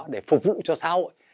để phục vụ cho xã hội